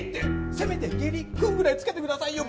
せめて下痢くんぐらいつけてくださいよ